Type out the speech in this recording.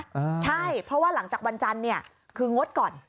ใช่เพราะว่าหลังจากวันจันทร์เนี่ยคืองดก่อน